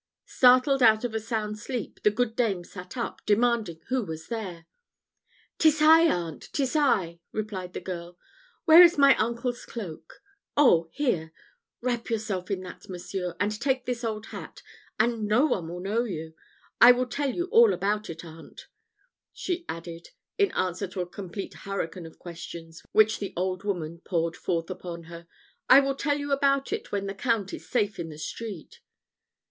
Startled out of a sound sleep, the good dame sat up, demanding who was there. "'Tis I, aunt! 'tis I!" replied the girl; "where is my uncle's cloak? Oh, here; wrap yourself in that, monseigneur, and take this old hat, and no one will know you. I will tell you all about it, aunt," she added, in answer to a complete hurricane of questions, which the old woman poured forth upon her "I will tell you about it when the Count is safe in the street."